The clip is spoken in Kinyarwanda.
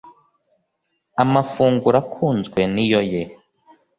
amafunguro akunzwe niyo ye